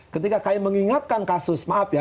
ketika kami mengingatkan kasus maaf ya